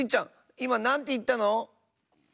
いまなんていったの？